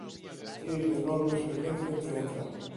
Actriz de enorme experiencia teatral.